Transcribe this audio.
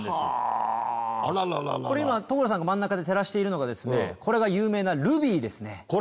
これ今所さんが真ん中で照らしているのがこれが有名なルビーですね。